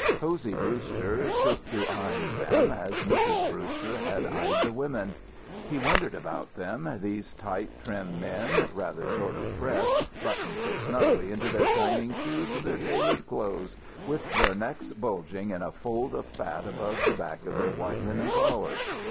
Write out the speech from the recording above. Hosey Brewster took to eying them as Mrs. Brewster had eyed the women. He wondered about them, these tight, trim men, rather short of breath, buttoned so snugly into their shining shoes and their tailored clothes, with their necks bulging in a fold of fat above the back of their white linen collar.